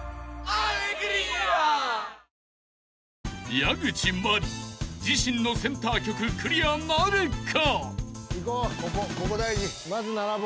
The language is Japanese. ［矢口真里自身のセンター曲クリアなるか？］